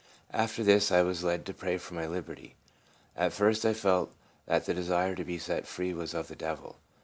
After this I was led to pray for my liberty. At first I felt that the desire to be set free was of the devil.